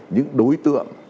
những đối tượng